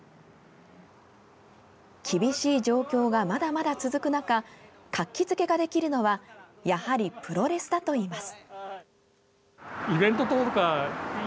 厳しい状況がまだまだ続く中活気付けができるのはやはりプロレスだといいます。